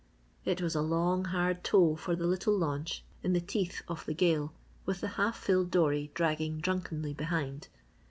It was a long hard tow for the little launch in the teeth of the gale with the half filled dory dragging drunkenly behind.